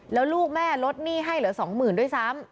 แล้วลูกแม่ลดหนี้ให้เหลือ๒๐๐๐ด้วยซ้ำ